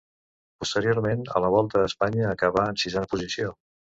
Posteriorment a la Volta a Espanya acabà en sisena posició.